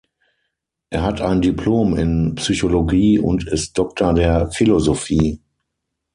Er hat ein Diplom in Psychologie und ist Doktor der Philosophie.